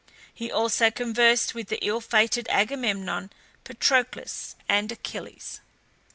He also conversed with the ill fated Agamemnon, Patroclus, and Achilles.